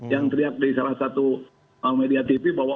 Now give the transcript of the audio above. yang teriak di salah satu media tv bahwa